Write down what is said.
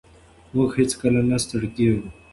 موږ هېڅکله نه ستړي کېږو.